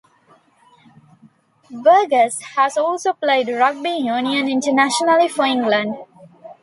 Burgess has also played rugby union internationally for England.